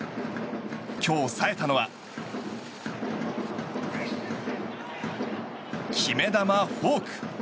今日、冴えたのは決め球、フォーク。